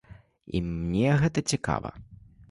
І мне гэта цікава.